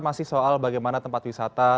masih soal bagaimana tempat wisata